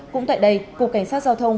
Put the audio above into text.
cũng tại đây cục cảnh sát giao thông